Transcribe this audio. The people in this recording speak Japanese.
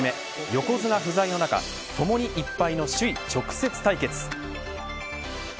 横綱不在の中、ともに１敗の首位、直接対決。